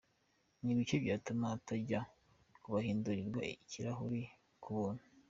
Ni ibiki byatuma utajya mubahindurirwa ikirahuri k’ubuntu?.